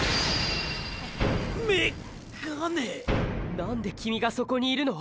何でキミがそこにいるの？